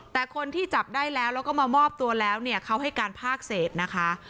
แต่คนที่จับได้แล้วแล้วก็มามอบตัวแล้วเนี่ยเขาให้การภาคเศษนะคะ